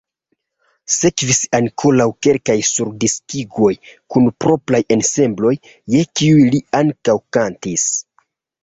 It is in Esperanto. Sekvis ankoraŭ kelkaj surdiskigoj kun propraj ensembloj, je kiuj li ankaŭ kantis.